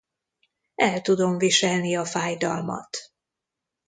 El tudom viselni a fájdalmat.